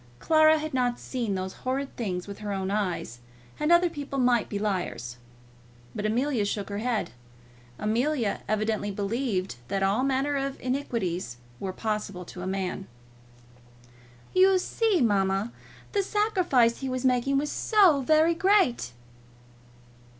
Clara had not seen those horrid things with her own eyes, and other people might be liars. But Amelia shook her head. Amelia evidently believed that all manner of iniquities were possible to man. "You see, mamma, the sacrifice he was making was so very great!"